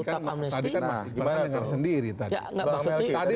tadi kan mas pertanyaan sendiri tadi